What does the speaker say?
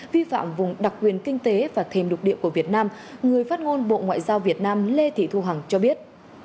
vi phạm vùng đặc quyền kinh tế và thềm lục địa của việt nam người phát ngôn bộ ngoại giao việt nam lê thị thu hằng cho biết